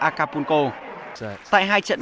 acapulco tại hai trận